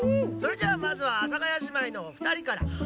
それじゃあまずは阿佐ヶ谷姉妹のおふたりから。